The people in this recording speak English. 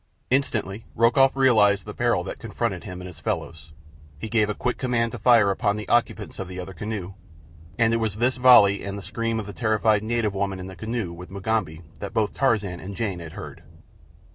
Instantly Rokoff realized the peril that confronted him and his fellows. He gave a quick command to fire upon the occupants of the other canoe, and it was this volley and the scream of the terrified native woman in the canoe with Mugambi that both Tarzan and Jane had heard.